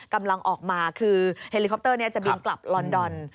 กำลังออกมาคือเฮลิคอปเตอร์นี้จะบินกลับลอนดอน